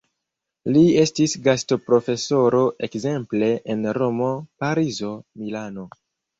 Li estis gastoprofesoro ekzemple en Romo, Parizo, Milano.